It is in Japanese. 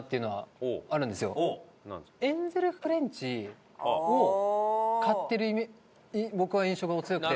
エンゼルフレンチを買ってる僕は印象が強くて。